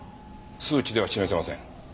数値では示せません。